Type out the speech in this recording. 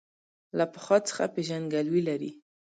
له پخوا څخه پېژندګلوي لري.